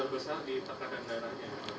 pak di tak ada ngarangnya atau